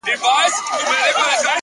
زموږه دوو زړونه دي تل په خندا ونڅيږي،